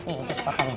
ini terus potongin